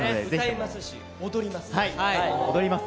歌いますし、踊ります。